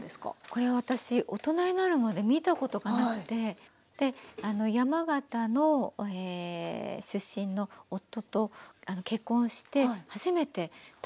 これ私大人になるまで見たことがなくて山形の出身の夫と結婚して初めて食べたんですね。